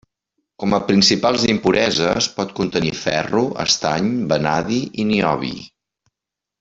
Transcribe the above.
Com a principals impureses pot contenir ferro, estany, vanadi i niobi.